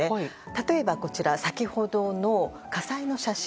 例えばこちら先ほどの火災の写真。